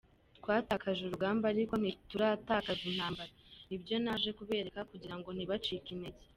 Twatakaje urugamba ariko ntituratakaza intambara, nibyo naje kubereka kugira ngo ntibacike intege.